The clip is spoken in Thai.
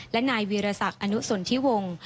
และนายวิรสักษ์อนุสนทิวง